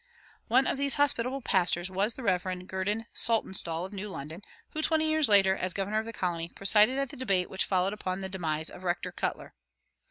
"[133:1] One of these hospitable pastors was the Rev. Gurdon Saltonstall, of New London, who twenty years later, as governor of the colony, presided at the debate which followed upon the demission of Rector Cutler.